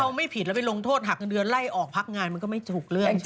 ไม่ผิดแล้วไปลงโทษหักเงินเดือนไล่ออกพักงานมันก็ไม่ถูกเรื่องใช่ไหม